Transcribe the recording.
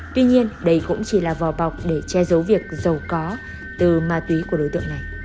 tuy nhiên đây cũng chỉ là vò bọc để che giấu việc giàu có từ ma túy của đối tượng này